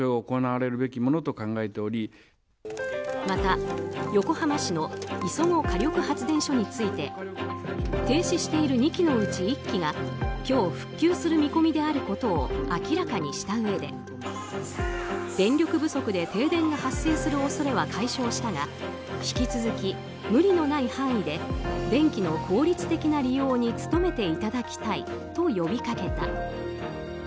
また、横浜市の磯子火力発電所について停止している２基のうち１基が今日復旧する見込みであることを明らかにしたうえで電力不足で停電が発生する恐れは解消したが引き続き無理のない範囲で電気の効率的な利用に努めていただきたいと呼びかけた。